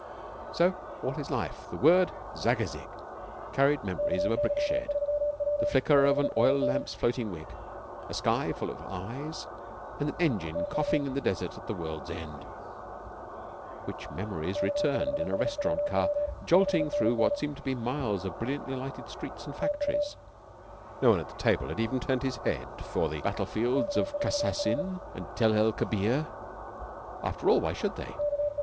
So all his life, the word 'Zagazig' carried memories of a brick shed, the flicker of an oil lamp's floating wick, a sky full of eyes, and an engine coughing in a desert at the world's end; which memories returned in a restaurant car jolting through what seemed to be miles of brilliantly lighted streets and factories. No one at the table had even turned his head for the battlefields of Kassassin and Tel el Kebir. After all, why should they?